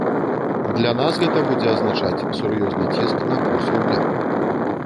Для нас гэта будзе азначаць сур'ёзны ціск на курс рубля.